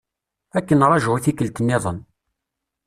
Ad k-nraju i tikkelt-nniḍen.